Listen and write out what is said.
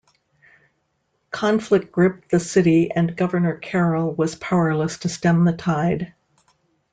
Conflict gripped the city and Governor Carroll was powerless to stem the tide.